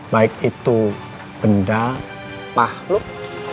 baik itu benda makhluk